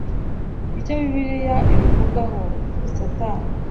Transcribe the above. icyo bibiliya ibivugaho satani